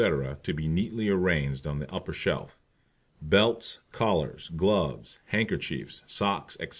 to be neatly arranged on the upper shelf. BELTS, COLLARS, GLOVES, HANDKERCHIEFS, SOCKS, etc.